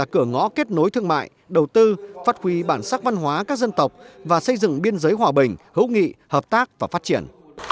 cửa ngõ kết nối thương mại đầu tư phát huy bản sắc văn hóa các dân tộc và xây dựng biên giới hòa bình hữu nghị hợp tác và phát triển